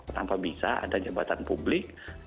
tanpa bisa ada jabatan publik